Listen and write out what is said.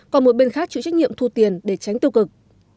còn một bên khác chịu trách nhiệm thu tiền để tránh tiêu cực